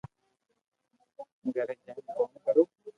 گھري جائين ڪوم ڪرو